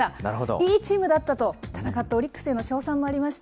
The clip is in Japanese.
いいチームだったと、戦ったオリックスへの称賛もありました。